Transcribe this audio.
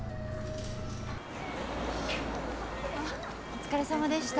あっお疲れさまでした。